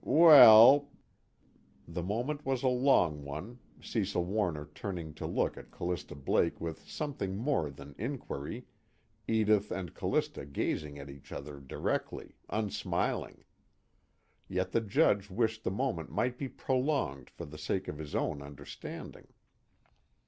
"Well ..." The moment was a long one, Cecil Warner turning to look at Callista Blake with something more than inquiry, Edith and Callista gazing at each other directly, unsmiling, yet the Judge wished the moment might be prolonged for the sake of his own understanding.